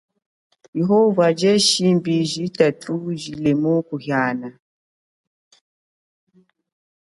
Yenayo ye shimbi jitangu nyi jilemu kuhiana.